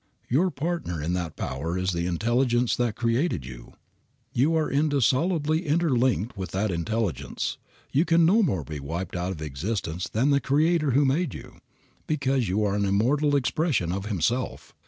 Your partner in that power is the Intelligence that created you. You are indissolubly interlinked with that Intelligence. You can no more be wiped out of existence than the Creator who made you, because you are an immortal expression of Himself.